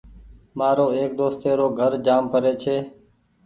مآرو ايڪ دوستي رو گھر جآم پري ڇي ۔